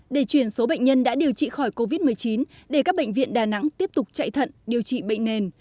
để chuyển số bệnh nhân đã điều trị khỏi covid một mươi chín để các bệnh viện đà nẵng tiếp tục chạy thận điều trị bệnh nền